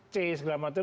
c segala macam